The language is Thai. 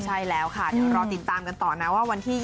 ใช่แล้วค่ะเดี๋ยวรอติดตามกันต่อนะว่าวันที่๒